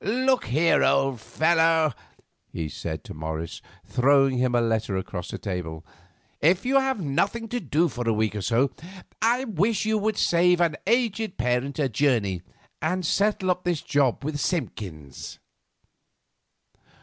"Look here, old fellow," he said to Morris, throwing him a letter across the table; "if you have nothing to do for a week or so, I wish you would save an aged parent a journey and settle up this job with Simpkins."